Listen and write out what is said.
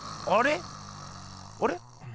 あれ？